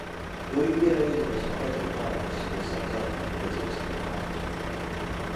由于越来越多的朝拜者的到来使的小教堂的扩建成了当务之急。